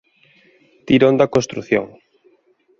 Tirón da construción